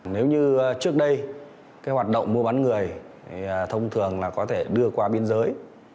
nếu như trước đây hoạt động mua bán người thông thường có thể đưa qua biên giới